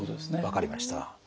分かりました。